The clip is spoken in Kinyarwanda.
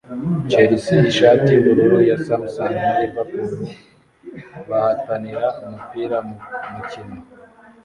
Chelsea (ishati y'ubururu ya Samsung) na Liverpool bahatanira umupira mu mukino